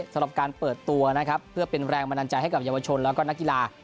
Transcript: สำหรับการเปิดตัวนะครับเพื่อเป็นแรงบันดาลใจให้กับเยาวชนแล้วก็นักกีฬา